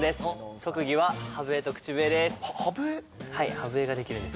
特技は歯笛と口笛です。